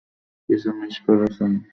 কিছু মিস করেছেন?